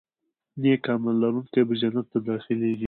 نیک عمل لرونکي به جنت ته داخلېږي.